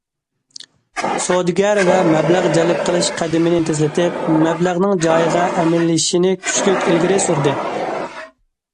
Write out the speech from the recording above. سودىگەر ۋە مەبلەغ جەلپ قىلىش قەدىمىنى تېزلىتىپ، مەبلەغنىڭ جايىغا ئەمەلىيلىشىشىنى كۈچلۈك ئىلگىرى سۈردى.